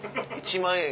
１万円